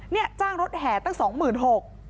เนี่ยจ้างรถแห่ตั้ง๒๖๐๐บาท